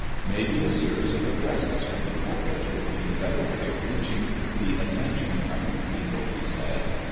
Maybe a series of addresses from the pulpit would be the better way of reaching the attention of the people, he said.